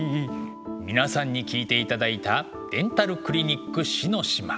皆さんに聴いていただいた「デンタルクリニック死の島」。